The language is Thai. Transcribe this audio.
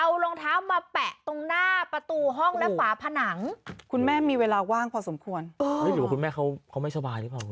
เอาครูสงครามมาแปะตรงหน้าประตูห้องและฝาผนังคุณแม่มีเวลาว่างพอสมควรรับคุณแม่เค้าไม่สบาย